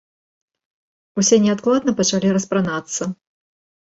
Усе неадкладна пачалі распранацца!